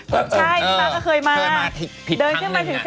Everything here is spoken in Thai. คุณนี่ก็เคยมาคุณนี่ก็เคยมา